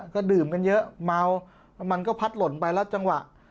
ก็ดื่มกันเยอะเมาส์มันก็พัดหล่นไปแล้ว